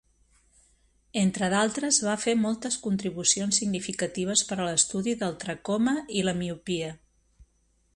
Entre d'altres va fer moltes contribucions significatives per a l'estudi del tracoma i la miopia.